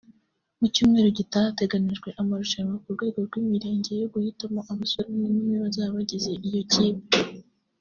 Mu cyumweru gitaha hateganyijwe amarushanwa ku rwego rw’imirenge yo guhitamo abasore n’inkumi bazaba bagize iyo kipe